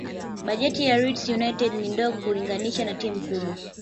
bajeti ya leeds united ni ndogo kulinganisha na timu kubwa